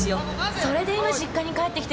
それで今実家に帰ってきてるんだ。